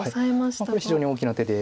これ非常に大きな手で。